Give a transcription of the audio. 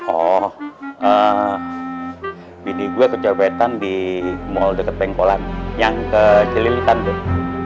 oh bini gua kecopetan di mal deket pengkolan yang kecil cilitan deh